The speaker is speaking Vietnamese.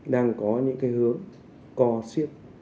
đang có những cái hướng co siếp